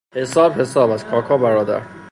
حساب حساب است کا کا برادر.